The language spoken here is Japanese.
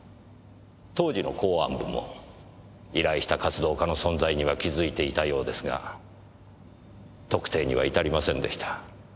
当時の公安部も依頼した活動家の存在には気づいていたようですが特定には至りませんでした。